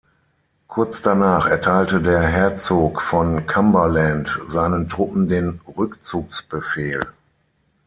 Kurz danach erteilte der Herzog von Cumberland seinen Truppen den Rückzugsbefehl.